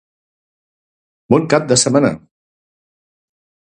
Bon cap de setmana!